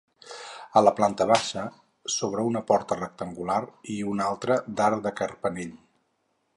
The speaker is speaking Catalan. A la planta baixa s'obre una porta rectangular i una altra d'arc de carpanell.